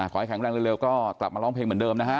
แข็งแรงเร็วก็กลับมาร้องเพลงเหมือนเดิมนะฮะ